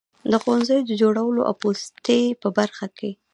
د ښوونځیو د جوړولو او پوستې په برخه کې.